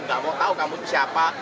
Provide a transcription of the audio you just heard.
nggak mau tahu kamu itu siapa